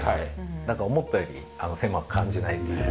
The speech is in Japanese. なんか思ったより狭く感じないっていうか。